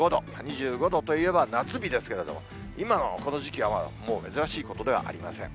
２５度といえば夏日ですけれども、今のこの時期はもう珍しいことではありません。